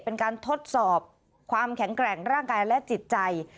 เป็นการทดสอบความแข็งแกร่งร่างกายและจิตใจ